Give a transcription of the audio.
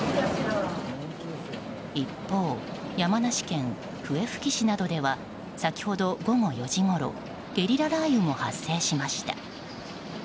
一方、山梨県笛吹市などでは先ほど午後４時ごろゲリラ雷雨も発生しました。